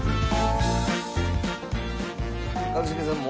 一茂さん